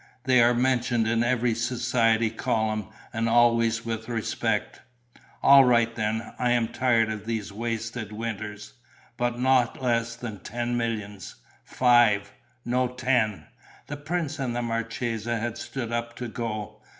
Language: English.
They are mentioned in every society column and always with respect." "... All right then. I am tired of these wasted winters. But not less than ten millions." "Five." "No, ten." The prince and the marchesa had stood up to go.